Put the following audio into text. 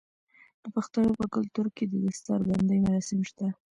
د پښتنو په کلتور کې د دستار بندی مراسم شته.